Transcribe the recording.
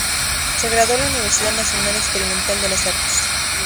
Se graduó en la "Universidad Nacional Experimental de Las Artes".